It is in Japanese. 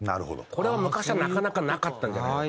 これは昔はなかなかなかったんじゃないか。